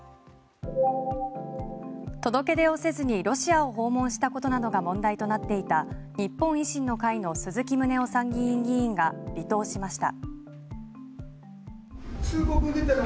届け出をせずにロシアを訪問したことなどが問題となっていた日本維新の会の鈴木宗男参議院議員が離党しました。